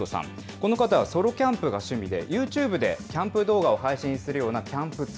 この方はソロキャンプが趣味で、ユーチューブでキャンプ動画を配信するようなキャンプ通。